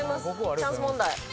チャンス問題。